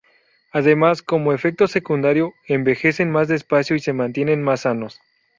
Además, como efecto secundario, envejecen más despacio y se mantienen más sanos.